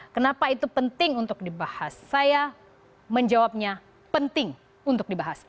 kenapa itu penting untuk dibahas saya menjawabnya penting untuk dibahas